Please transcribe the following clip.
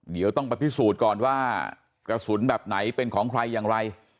เดี๋ยวต้องไปพิสูจน์ก่อนว่ากระสุนแบบไหนเป็นของใครอย่างไร